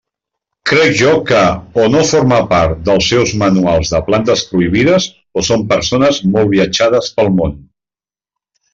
Crec jo que o no forma part dels seus manuals de plantes prohibides o són persones molt viatjades pel món.